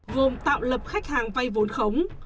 gồm tạo lập khách hàng vay vốn khống